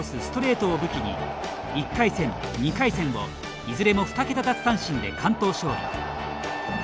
ストレートを武器に１回戦、２回戦をいずれも２桁奪三振で完投勝利。